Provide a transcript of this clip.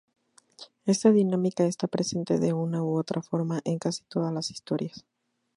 Esta dinámica está presente, de una u otra forma, en casi todas las historias.